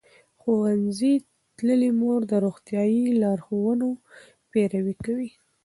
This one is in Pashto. ښوونځې تللې مور د روغتیايي لارښوونو پیروي کوي.